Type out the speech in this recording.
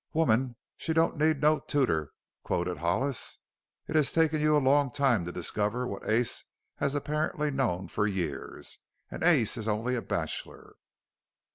"'Woman she don't need no tooter,'" quoted Hollis. "It has taken you a long time to discover what Ace has apparently known for years. And Ace is only a bachelor."